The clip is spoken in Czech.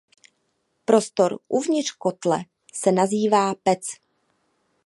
Prostor uvnitř kotle se nazývá pec.